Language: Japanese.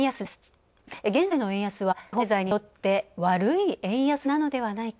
しかし、現在の円安は日本経済にとって悪い円安なのではないか。